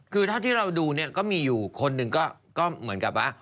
คือเท่าที่เราดูเนี่ยก็มีอยู่คนหนึ่งก็เหมือนกับว่า